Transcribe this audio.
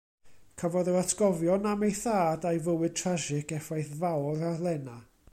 Cafodd yr atgofion am ei thad a'i fywyd trasig effaith fawr ar Lena.